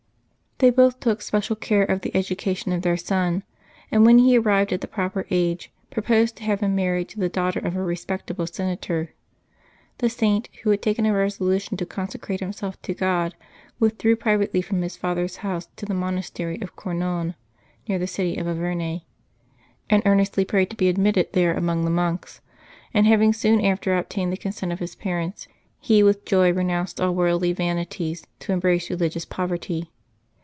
They both took special care of the education of their son, and, when he arrived at a proper age, proposed to have him married to the daughter of a respectable senator. The Saint, who had taken a reso lution to consecrate himself to God, withdrew privately from his father's house to the monastery of Cournon, near the city of Auvergne, and earnestly prayed to be admitted there amongst the monks; and having soon after obtained the consent of his parents, he with joy renounced all worldly vanities to embrace religious poverty.